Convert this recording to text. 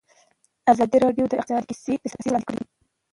ازادي راډیو د اقتصاد کیسې وړاندې کړي.